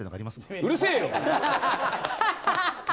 うるせえ。